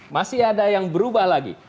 masih ada yang berubah lagi